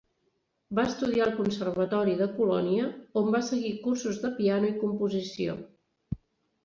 Va estudiar al Conservatori de Colònia, on va seguir cursos de piano i composició.